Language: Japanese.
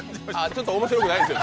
ちょっと面白くないんですよ。